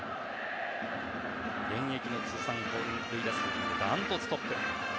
現役の通算本塁打数はダントツトップ。